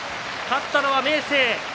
勝ったのは明生。